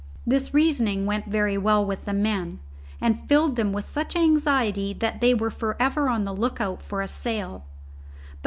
This reasoning went very well with the men and filled them with such anxiety that they were for ever on the look out for a sail.